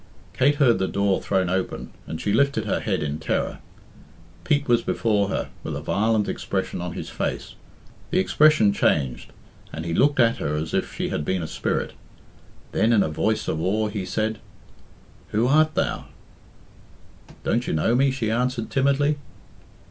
Kate heard the door thrown open, and she lifted her head in terror. Pete was before her, with a violent expression on his face. The expression changed, and he looked at her as if she had been a spirit. Then, in a voice of awe, he said, "Who art thou?" "Don't you know me?" she answered timidly.